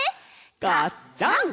ガッチャン！